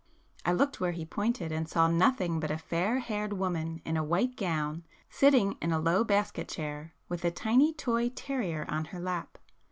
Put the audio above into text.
I looked where he pointed, and saw nothing but a fair haired woman in a white gown, sitting in a low basket chair, with a tiny toy terrier on her lap.